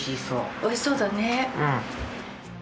おいしそうだね。